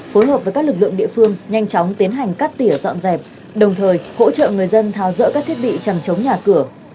phối hợp với các lực lượng địa phương nhanh chóng tiến hành cắt tỉa dọn dẹp đồng thời hỗ trợ người dân tháo rỡ các thiết bị chằm chống nhà cửa